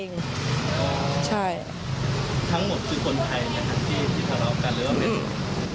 ทั้งหมดคือคนไทยอย่างงี้ที่ทะเลาะกันหรือว่าเป็น